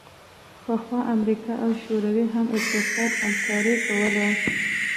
پخوا امریکا او شوروي هم اقتصادي همکاري کوله